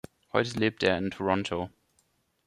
Heute lebt er in Toronto.